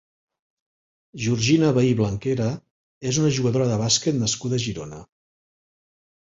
Georgina Bahí Blanquera és una jugadora de bàsquet nascuda a Girona.